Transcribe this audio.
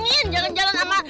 dibilangin jalan jalan sama